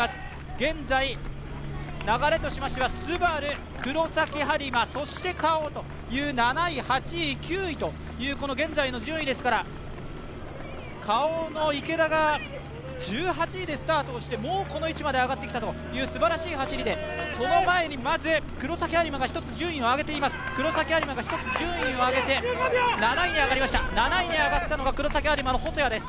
現在、流れとしてはＳＵＢＡＲＵ、黒崎播磨、そしてＫａｏという７位、８位、９位という現在の順位ですからＫａｏの池田が１８位でスタートしてもうこの位置まで上がってきたというすばらしい走りでその前にまず黒崎播磨が１つ順位を上げて７位に上がりました、細谷です。